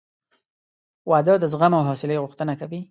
• واده د زغم او حوصلې غوښتنه کوي.